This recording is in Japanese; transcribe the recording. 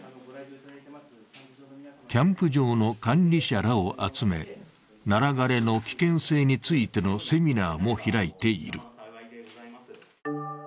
キャンプ場の管理者らを集めナラ枯れの危険性についてのセミナーも開いている。